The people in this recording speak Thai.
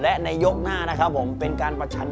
และในยกหน้านะครับผมเป็นการประชัน